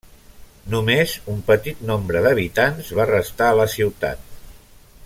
Només un petit nombre d'habitants va restar a la ciutat.